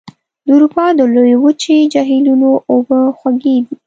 د اروپا د لویې وچې جهیلونو اوبه خوږې دي.